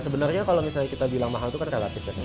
sebenarnya kalau misalnya kita bilang mahal itu kan relatif kan